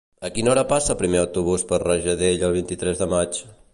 A quina hora passa el primer autobús per Rajadell el vint-i-tres de maig?